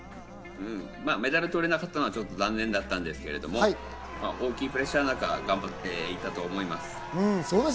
メダルを取れなかったのはちょっと残念だったんですけど、大きいプレッシャーの中、頑張っていたと思います。